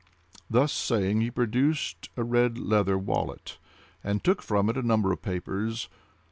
Thus saying, he produced a red leather wallet, and took from it a number of papers.